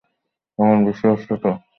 এখন বিশ্বাস হচ্ছে তো?